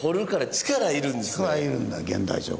力いるんだよ現代彫刻。